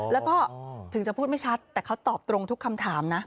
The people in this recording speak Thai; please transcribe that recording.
แล้วก็ถึงจะพูดไม่ชัดแต่เขาตอบตรงทุกคำถามนะ